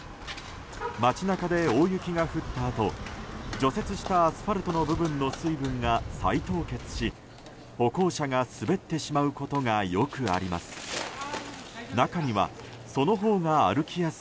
街中で大雪が降ったあと除雪したアスファルトの部分水分が再凍結し、歩行者が滑ってしまうことがよくあります。